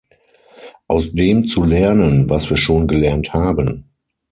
Aus dem zu lernen, was wir schon gelernt haben.